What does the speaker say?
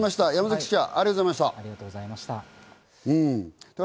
山崎記者、ありがとうございました。